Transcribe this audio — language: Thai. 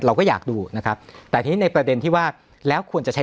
เราก็อยากดูนะครับแต่ทีนี้ในประเด็นที่ว่าแล้วควรจะใช้